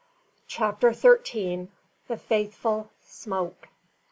CHAPTER THIRTEEN. THE FAITHFUL "SMOKE."